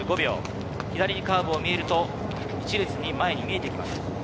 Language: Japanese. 左にカーブを見ると１列に前に見えてきます。